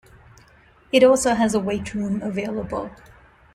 It also has a weight room available.